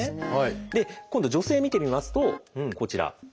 今度女性見てみますとこちら。